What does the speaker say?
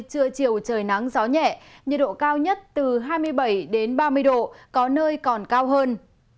trưa chiều trời nắng gió nhẹ nhiệt độ cao nhất từ hai mươi bảy ba mươi độ có nơi còn cao hơn